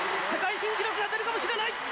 世界新記録が出るかもしれない。